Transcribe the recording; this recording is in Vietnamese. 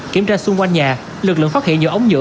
kiểm tra xung quanh nhà lực lượng phát hiện nhiều ống nhựa